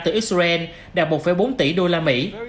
từ israel đạt một bốn tỷ đô la mỹ